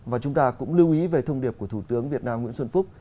và chúng ta cũng lưu ý về thông điệp của thủ tướng việt nam nguyễn xuân phúc